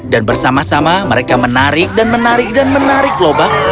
dan bersama sama mereka menarik dan menarik dan menarik lobak